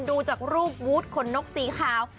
ดูจากรูปวูธขนนกสีขาว